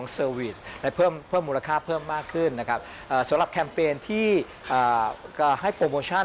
สำหรับแคมเปญที่ให้โปรโมชั่น